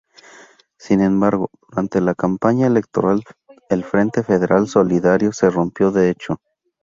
Sin embargo durante la campaña electoral el Frente Federal Solidario se rompió de hecho.